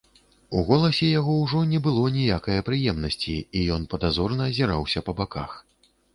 У голасе яго ўжо не было ніякае прыемнасці, і ён падазрона азіраўся па баках.